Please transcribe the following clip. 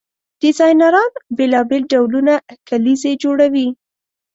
ډیزاینران بیلابیل ډولونه کلیزې جوړوي.